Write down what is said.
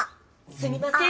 すみません。